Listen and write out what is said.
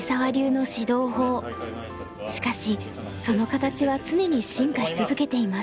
しかしその形は常に進化し続けています。